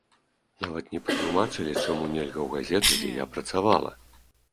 Нават не патлумачылі, чаму нельга ў газету, дзе я працавала.